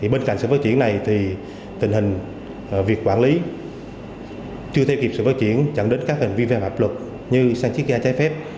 bên cạnh sự phát triển này tình hình việc quản lý chưa theo kịp sự phát triển chẳng đến các hình vi phạm hợp luật như sang chiếc ga trái phép